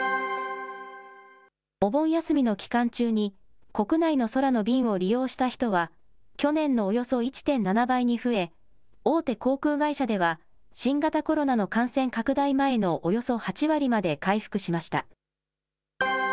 お盆休みの期間中に国内の空の便を利用した人は、去年のおよそ１．７倍に増え、大手航空会社では新型コロナの感染拡大前のおよそ８割まで回復しました。